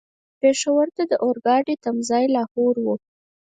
پېښور ته د اورګاډي تم ځای لاهور و.